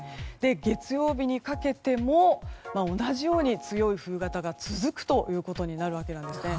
月曜日にかけても同じように強い冬型が続くというわけなんですね。